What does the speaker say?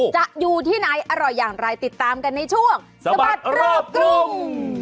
อยู่ที่ไหนอร่อยอย่างไรติดตามกันในช่วงสะบัดรอบกรุง